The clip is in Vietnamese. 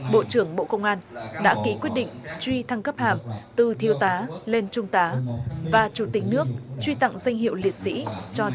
bộ trưởng bộ công an đã ký quyết định truy thăng cấp hạm từ thiêu tá lên trung tá và chủ tịch nước truy tặng danh hiệu liệt sĩ cho trung tá